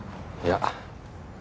いや。